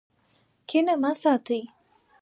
کینه مه ساتئ.